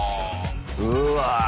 うわ。